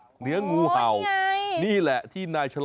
โอ้โฮที่เลี้ยงเอาไว้บริเวณสาลาข้างเบาะเลี้ยงปลาข้างบ้าน